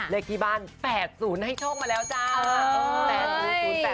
เลขที่บ้าน๘๐ให้โชคมาแล้วจ้า